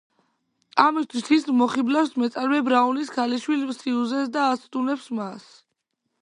ამისთვის ის მოხიბლავს მეწარმე ბრაუნის ქალიშვილ სიუზენს და აცდუნებს მას.